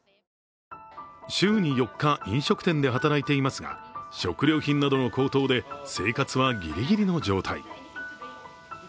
週に４日、飲食店で働いていますが食料品などの高騰で、生活はギリギリの状態。